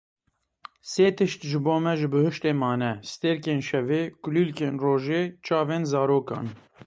Sê tişt ji bo me ji bihuştê mane, Stêrkên şevê, Kulîlkên rojê, Çavên zarokan.